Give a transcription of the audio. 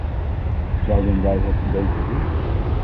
Zouden wij het beter doen?